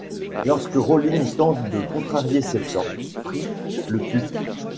Lorsque Rawlins tente de contrarier ses plans, Fry le tue.